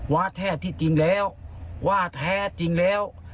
ว่าแท้ที่จริงแล้วว่าแท้จริงแล้ว